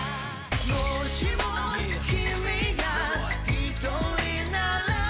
もしも君がひとりなら